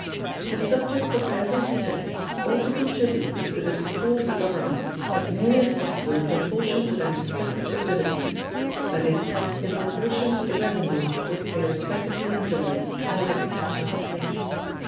The subjects of every state ought to contribute to the support of the government, as nearly as possible in proportion to their respective abilities: that is, in proportion to the revenue which they respectively enjoy under the protection of the state.